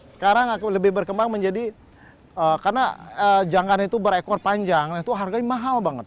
sekarang aku lebih berkembang menjadi karena janggan itu berekor panjang itu harganya mahal banget